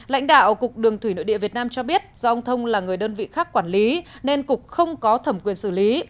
lãnh đạo cục đường thủy nội địa việt nam cho biết do ông thông là người đơn vị khác quản lý nên cục không có thẩm quyền xử lý